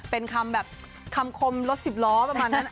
เป็นคำแบบคำคมรถสิบล้อประมาณนั้น